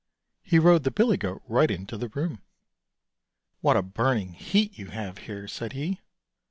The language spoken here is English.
He rode the billy goat right into the room. " What a burning heat you have here," said he.